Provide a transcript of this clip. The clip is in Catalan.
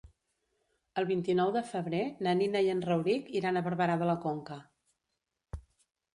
El vint-i-nou de febrer na Nina i en Rauric iran a Barberà de la Conca.